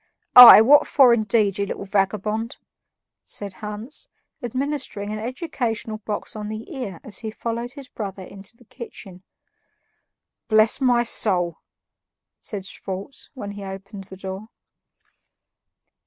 "Aye! what for, indeed, you little vagabond?" said Hans, administering an educational box on the ear as he followed his brother into the kitchen. "Bless my soul!" said Schwartz when he opened the door.